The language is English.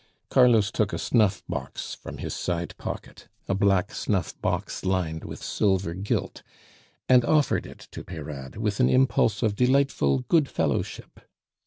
Carlos took a snuff box from his side pocket a black snuff box lined with silver gilt and offered it to Peyrade with an impulse of delightful good fellowship.